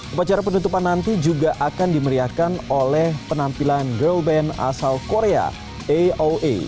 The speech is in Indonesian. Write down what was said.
upacara penutupan nanti juga akan dimeriahkan oleh penampilan girl band asal korea aoa